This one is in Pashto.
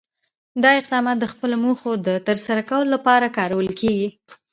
دا اقدامات د خپلو موخو د ترسره کولو لپاره کارول کېږي.